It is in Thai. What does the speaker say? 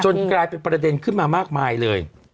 กลายเป็นประเด็นขึ้นมามากมายเลย